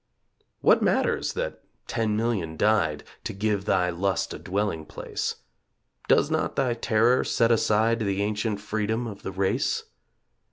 What matters that ten million died To give thy lust a dwelling place? Does not thy Terror set aside The ancient freedom of the race?